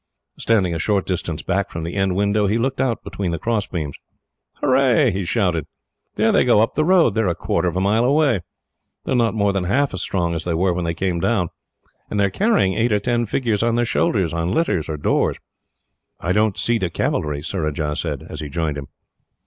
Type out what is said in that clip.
Standing a short distance back from the end window, he looked out between the crossbeams. "Hurrah!" he shouted. "There they go up the road. They are a quarter of a mile away. They are not more than half as strong as they were when they came down. They are carrying eight or ten figures on their shoulders, on litters, or doors." "I don't see the cavalry," Surajah said, as he joined him.